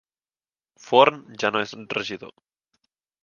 Forn ja no és regidor